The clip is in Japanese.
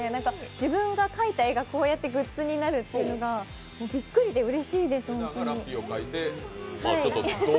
自分が描いた絵がこうやってグッズになるっていうのがうれしいです。